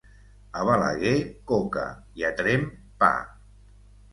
A Balaguer, coca, i a Tremp, pa.